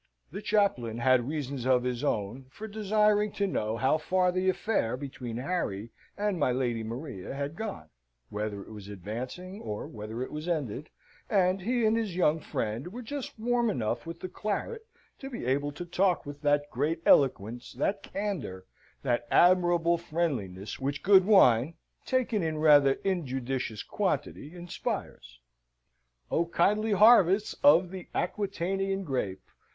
The chaplain had reasons of his own for desiring to know how far the affair between Harry and my Lady Maria had gone; whether it was advancing, or whether it was ended; and he and his young friend were just warm enough with the claret to be able to talk with that great eloquence, that candour, that admirable friendliness, which good wine taken in rather injudicious quantity inspires. O kindly harvests of the Aquitanian grape!